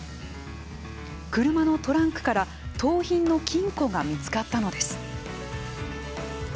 車のトランクから盗品の金庫が見つかったのです。